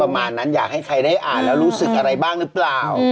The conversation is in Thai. ประมาณนั้นอยากให้ใครได้อ่านแล้วรู้สึกอะไรบ้างหรือเปล่า